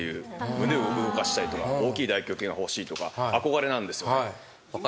胸を動かしたいとか大きい大胸筋が欲しいとか憧れなんですよね。